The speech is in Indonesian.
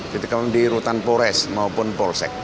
dititipkan di rutan pores maupun polsek